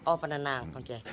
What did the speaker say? oh penenang oke